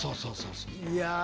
いや。